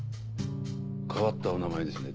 変わったお名前ですね